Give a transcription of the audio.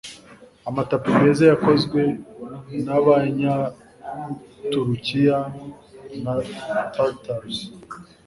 Amatapi meza yakozwe nabanyaturukiya na Tartars